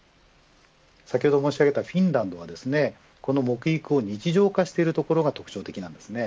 先ほど申し上げたフィンランドは木育を日常化しているところが特徴的です。